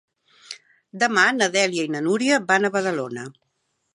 Demà na Dèlia i na Núria van a Badalona.